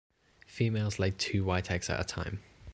Females lay two white eggs at a time.